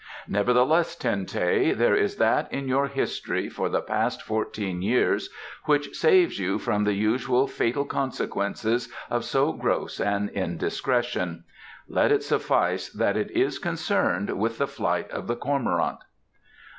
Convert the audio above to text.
"Nevertheless, Ten teh, there is that in your history for the past fourteen years which saves you from the usual fatal consequences of so gross an indiscretion. Let it suffice that it is concerned with the flight of the cormorant."